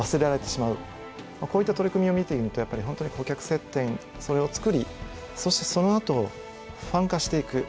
こういった取り組みを見てみるとやっぱり本当に顧客接点それを作りそしてそのあとファン化していく。